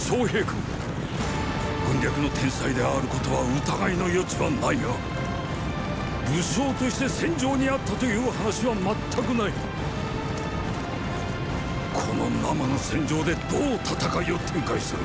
君軍略の天才であることは疑いの余地はないが武将として戦場にあったという話は全くないこの“生”の戦場でどう戦いを展開する。